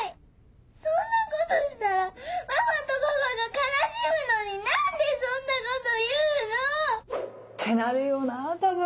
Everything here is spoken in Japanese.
そんなことしたらママとパパが悲しむのに何でそんなこと言うの！ってなるよなぁ多分。